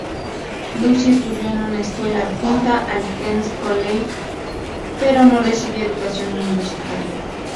Lucy estudió en una escuela adjunta al Queens 'College pero no recibió educación universitaria.